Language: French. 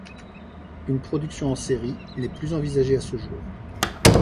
Une production en série n'est plus envisagée à ce jour.